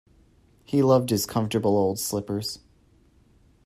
He loved his comfortable old slippers.